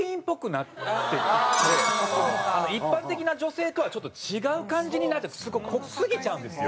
なってきて一般的な女性とはちょっと違う感じになっちゃうすごい濃すぎちゃうんですよ。